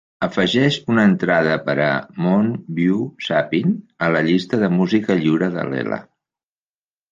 afegeix una entrada per a "Mon Beau Sapin" a la llista de música lliure de lela